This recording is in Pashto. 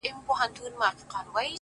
زه چي په بې سېکه گوتو څه وپېيم-